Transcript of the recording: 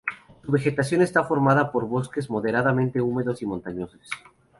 Su vegetación está formada por Bosques Moderadamente Húmedos y Montañosos.